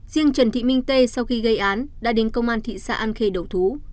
riêng trần thị minh tê sau khi gây án đã đến công an thị xã an khê đầu thú